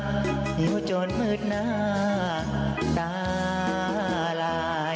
ก่อนที่จะก่อเหตุนี้นะฮะไปดูนะฮะสิ่งที่เขาได้ทิ้งเอาไว้นะครับ